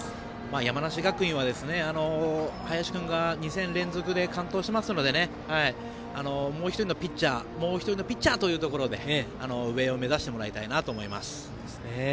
山梨学院は林君が２戦連続で完投しましたのでもう一人のピッチャーというところで上を目指してもらいたいと思います。